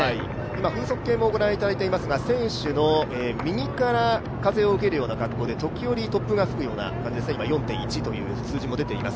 風速計もご覧いただいていますが選手の右から風を受けるような格好で、時折、突風が吹くような感じですね４．１という数字も出ています。